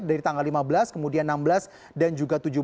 dari tanggal lima belas kemudian enam belas dan juga tujuh belas